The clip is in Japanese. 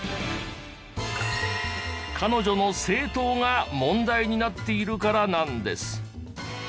彼女の政党が問題になっているからなんです。